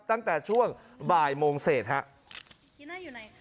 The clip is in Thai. ตั้งแต่ช่วงบ่ายโมงเศษนะฮะ